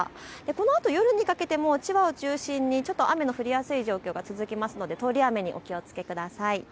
このあと夜にかけても千葉を中心に雨が降りやすい状況が続きますので通り雨にお気をつけください。